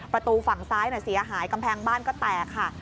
ประตูฝั่งซ้ายเสียหายกำแพงบ้านก็แตกค่ะ